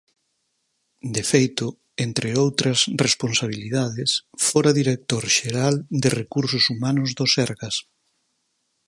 De feito, entre outras responsabilidades, fora director xeral de Recursos Humanos do Sergas.